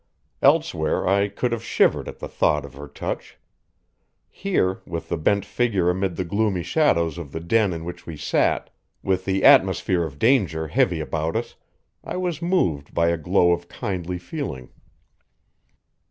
Elsewhere I could have shivered at the thought of her touch. Here, with the bent figure amid the gloomy shadows of the den in which we sat, with the atmosphere of danger heavy about us, I was moved by a glow of kindly feeling.